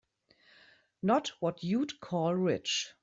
Not what you'd call rich.